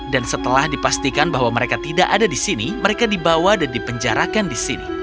dan setelah dipastikan bahwa mereka tidak ada di sini mereka dibawa dan dipenjarakan di sini